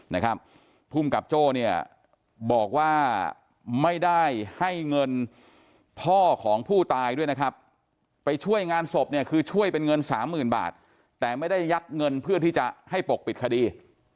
นะครับภูมิกับโจ้เนี่ยบอกว่าไม่ได้ให้เงินพ่อของผู้ตายด้วยนะครับไปช่วยงานศพเนี่ยคือช่วยเป็นเงินสามหมื่นบาทแต่ไม่ได้ยัดเงินเพื่อที่จะให้ปกปิดคดี